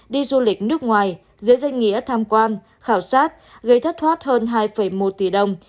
đi du lịch nước ngoài giữa doanh nghiệp tham quan khảo sát gây thất thoát hơn hai một tỷ đồng